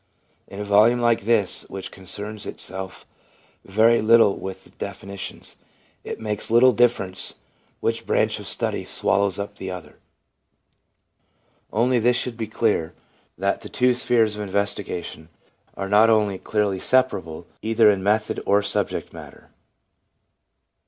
In a volume like this, which concerns itself very little with definitions, it makes little difference which branch of study swallows up the other. Only this should be clear, that the two 6 THE PSYCHOLOGY OF RELIGION spheres of investigation are not clearly separable, either in method or subject matter.